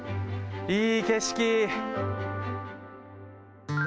いい景色！